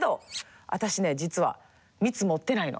実は蜜持ってないの。